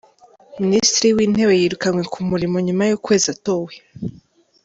Minisitiri w’Intebe yirukanywe ku mirimo nyuma y’ukwezi atowe